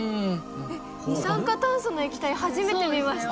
二酸化炭素の液体初めて見ました。